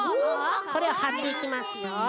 これをはっていきますよ。